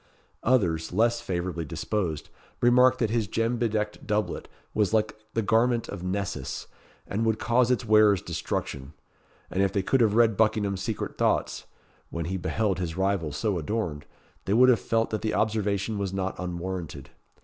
Others, less favourably disposed, remarked that his gem bedecked doublet was like the garment of Nessus, and would cause its wearer's destruction; and if they could have read Buckingham's secret thoughts, when he beheld his rival so adorned, they would have felt that the observation was not unwarranted.